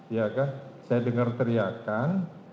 ya kan saya dengar teriakan